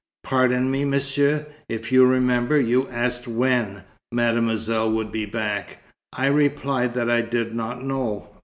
"Pardon me, Monsieur, if you remember, you asked when Mademoiselle would be back. I replied that I did not know.